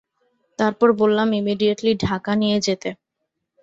তারপর বললাম ইমিডিয়েটলি ঢাকা নিয়ে যেতে।